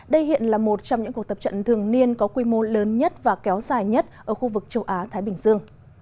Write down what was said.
đây hiện là một trong những cuộc tập trận thường niên có quy mô lớn nhất và kéo dài nhất ở khu vực châu á thái bình dương